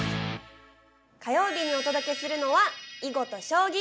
火曜日にお届けするのは囲碁と将棋。